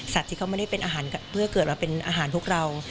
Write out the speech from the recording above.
ที่เขาไม่ได้เป็นอาหารเพื่อเกิดมาเป็นอาหารพวกเรา